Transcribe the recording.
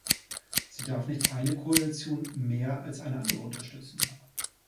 Sie darf nicht eine Koalition mehr als eine andere unterstützen.